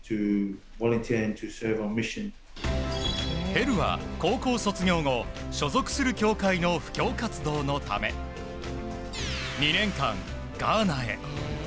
ヘルは高校卒業後所属する教会の布教活動のため２年間、ガーナへ。